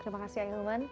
terima kasih ayah uman